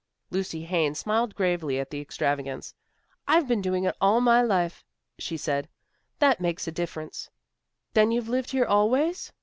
Lucy Haines smiled gravely at the extravagance. "I've been doing it all my life," she said. "That makes a difference." "Then you've lived here always?"